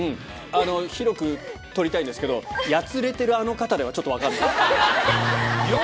広く取りたいんですけど「やつれてるあの方」ではちょっと分かんない。